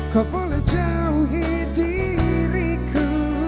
kau boleh jauhi diriku